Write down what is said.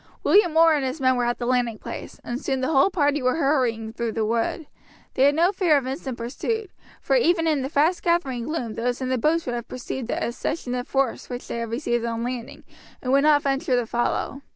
William Orr and his men were at the landing place, and soon the whole party were hurrying through the wood. They had no fear of instant pursuit, for even in the fast gathering gloom those in the boats would have perceived the accession of force which they had received on landing, and would not venture to follow.